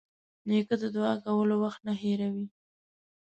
نیکه د دعا کولو وخت نه هېرېږي.